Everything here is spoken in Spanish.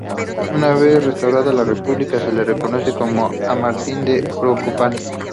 Una vez restaurada la república se le reconoce como Mártir de Uruapan.